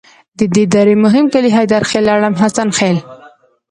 د دې درې مهم کلي حیدرخیل، لړم، حسن خیل.